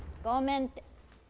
ごめんって。